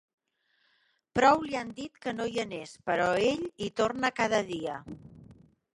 Prou li han dit que no hi anés, però ell hi torna cada dia.